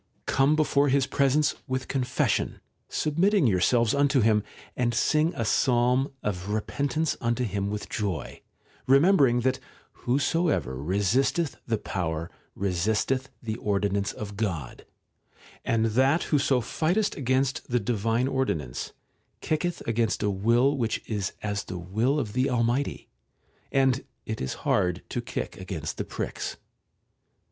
Come before his presence with confession, sub mitting yourselves unto him, and sing a psalm of repen tance unto him with joy, remembering that ' whosoever resisteth the power, resisteth the ordinance of God '; and that whoso fighteth against the divine ordinance, kicketh against a will which is as the will of the Almighty ; and 4 it is hard to kick against the pricks \§ 5.